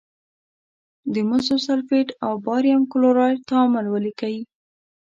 د مسو سلفیټ او باریم کلورایډ تعامل ولیکئ.